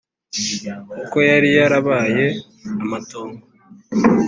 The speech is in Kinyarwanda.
Kuko yari yarabaye amatongo.